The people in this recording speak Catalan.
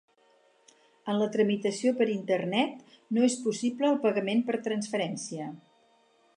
En la tramitació per internet no és possible el pagament per transferència.